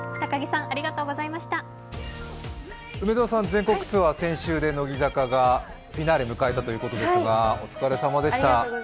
全国ツアー、先週で乃木坂がフィナーレを迎えたということですがお疲れさまでした。